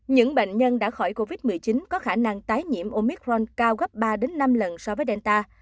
những bệnh nhân đã khỏi covid một mươi chín có khả năng tái nhiễm omicron cao gấp ba năm lần so với delta